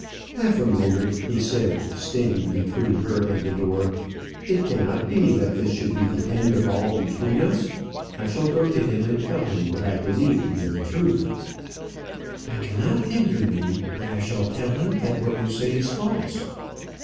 "Half a moment," he said, standing between her and the door. "It cannot be that this should be the end of all between us. I shall go to him, and tell him what I believe to be the truth." "I cannot hinder you; but I shall tell him that what you say is false."